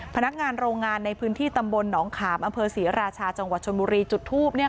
พนักงานโรงงานในพื้นที่ตำบลหนองขาบอันเพิร์ษศรีราชาจังหวัดชนบุรีจุดทูปเนี่ยค่ะ